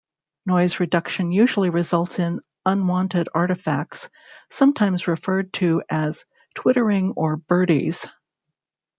Noise reduction usually results in unwanted artifacts, sometimes referred to as "twittering" or "birdies".